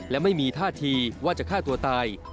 และไม่มีท่าทีว่าจะฆ่าตัวตาย